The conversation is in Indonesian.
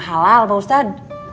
halal pak ustadz